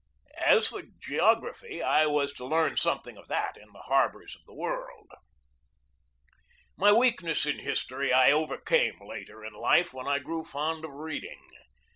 As for geography, I was to learn something of that in the harbors of the world. My weakness in history I overcame later in life, when I grew fond of reading.